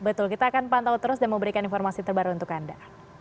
betul kita akan pantau terus dan memberikan informasi terbaru untuk anda